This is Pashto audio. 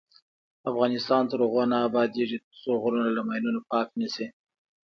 افغانستان تر هغو نه ابادیږي، ترڅو غرونه له ماینونو پاک نشي.